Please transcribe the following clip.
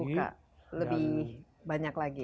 buka lebih banyak lagi